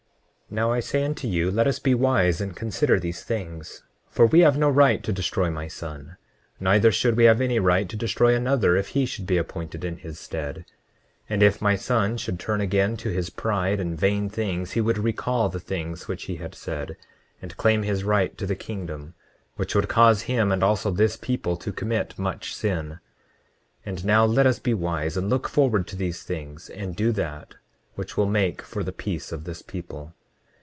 29:8 Now I say unto you let us be wise and consider these things, for we have no right to destroy my son, neither should we have any right to destroy another if he should be appointed in his stead. 29:9 And if my son should turn again to his pride and vain things he would recall the things which he had said, and claim his right to the kingdom, which would cause him and also this people to commit much sin. 29:10 And now let us be wise and look forward to these things, and do that which will make for the peace of this people.